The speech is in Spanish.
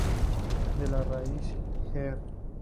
De la raíz gr.